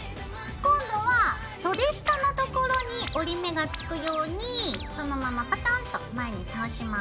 今度は袖下のところに折り目がつくようにそのままパタンと前に倒します。